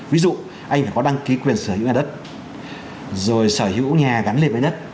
ví dụ anh phải có đăng ký quyền sở hữu nhà đất rồi sở hữu nhà gắn liền với đất